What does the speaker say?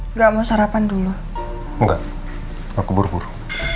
nggak mau sarapan dulu enggak aku buru buru